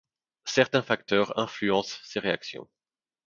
Certains facteurs influencent ces réactions.